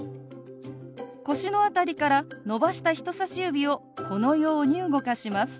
腰の辺りから伸ばした人さし指をこのように動かします。